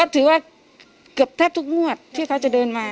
เท่าที่ทุกมวดที่เขาจะเดินมา